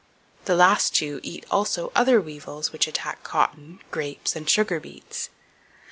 The last two eat also other weevils which attack cotton, grapes and sugar beets.